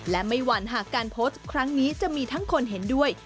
และไม่หวั่นหากการโพสต์ครั้งนี้จะมีทั้งคนเห็นด้วย